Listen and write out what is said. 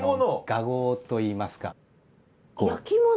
雅号といいますか。